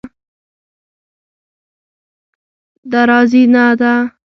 دراځینده